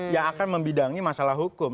yang akan membidangi masalah hukum